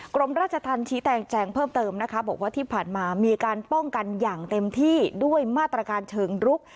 กรมราชธรรมชี้แจงแจงเพิ่มเติมนะคะบอกว่าที่ผ่านมามีการป้องกันอย่างเต็มที่ด้วยมาตรการเชิงรุก